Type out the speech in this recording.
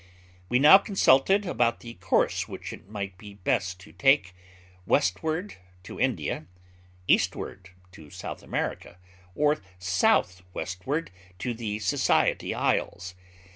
'We now consulted about the course which it might be best to take westward to India, eastward to South America, or south westward to the Society Isles.